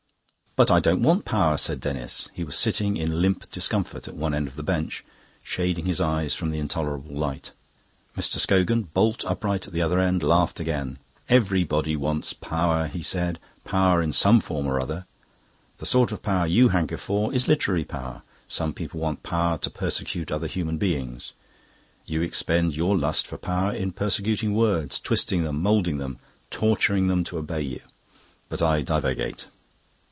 "But I don't want power," said Denis. He was sitting in limp discomfort at one end of the bench, shading his eyes from the intolerable light. Mr. Scogan, bolt upright at the other end, laughed again. "Everybody wants power," he said. "Power in some form or other. The sort of power you hanker for is literary power. Some people want power to persecute other human beings; you expend your lust for power in persecuting words, twisting them, moulding them, torturing them to obey you. But I divagate."